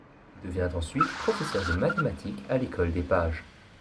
Il devient ensuite professeur de mathématiques à l’école des pages.